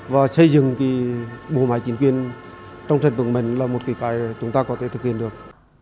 và xây dựng bộ máy chính quyền trong sản phẩm mình là một kỳ cải chúng ta có thể thực hiện được